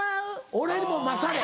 俺も勝れ。